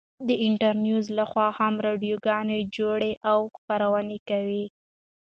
د انترنيوز لخوا هم راډيو گانې جوړې او خپرونې كوي.